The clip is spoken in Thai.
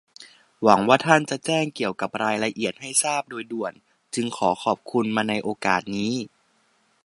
หวังว่าท่านจะแจ้งเกี่ยวกับรายละเอียดให้ทราบโดยด่วน จึงขอขอบคุณมาในโอกาสนี้